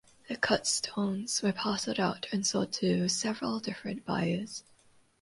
The cut stones were parceled out and sold to several different buyers.